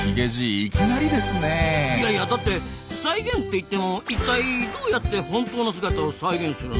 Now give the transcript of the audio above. いやいやだって再現って言っても一体どうやって本当の姿を再現するの？